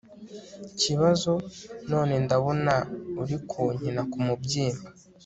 kibazo none ndabona uri kunkina kumubyimba